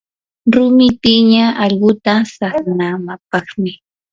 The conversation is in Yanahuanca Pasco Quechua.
rumi piña allquta saqmanapaqmi.